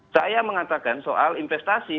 saya mengatakan soal investasi